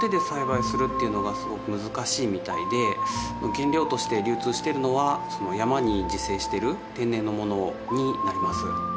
原料として流通してるのは山に自生してる天然のものになります